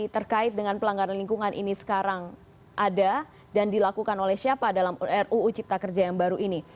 terkait dengan pelanggaran lingkungan ini sekarang ada dan dilakukan oleh siapa dalam ruu cipta kerja yang baru ini